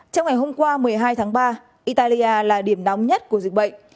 trong ngày hôm qua một mươi hai tháng ba italia là điểm nóng nhất của dịch bệnh